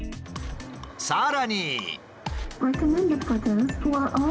さらに。